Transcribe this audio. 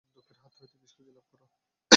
দুঃখের হাত হইতে নিষ্কৃতি লাভ কর।